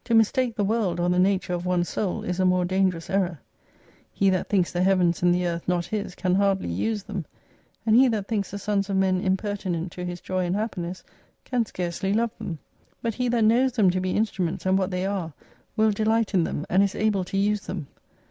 To mistake the world, or the nature of one's soul, is a more dangerous error. He that thinks the Heavens and the Earth not his, can hardly use them ; and he that thinks the sons of men impertinent to his joy and happiness can scarcely love them. But he that knows them to be instruments and what they are, will delight in them, and is able to use them.